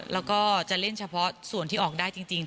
แล้วก็จะเล่นเฉพาะส่วนที่ออกได้จริง